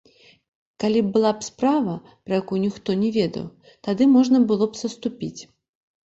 Калі б была справа, пра якую ніхто не ведаў, тады можна было б саступіць.